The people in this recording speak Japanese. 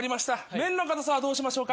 麺の硬さはどうしましょうか？